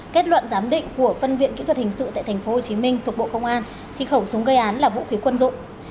kết luận giám định của phân viện kỹ thuật hình sự tại tp hcm thuộc bộ công an thì khẩu súng gây án là vũ khí quân dụng